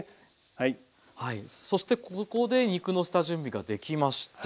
そしてここで肉の下準備ができました。